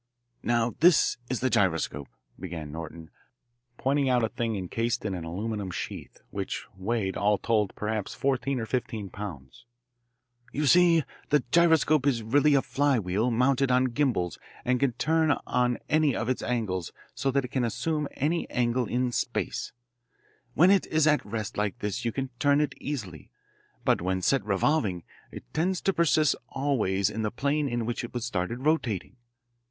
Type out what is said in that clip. "Now this is the gyroscope," began Norton, pointing out a thing encased in an aluminum sheath, which weighed, all told, perhaps fourteen or fifteen pounds. "You see, the gyroscope is really a flywheel mounted on gimbals and can turn on any of its angles so that it can assume any angle in space. When it's at rest like this you can turn it easily. But when set revolving it tends to persist always in the plane in which it was started rotating."